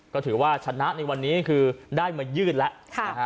ก็ถือว่าชนะในวันนี้คือได้มายืดแล้วค่ะนะฮะ